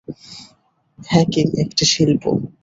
Hacking একটা শিল্প।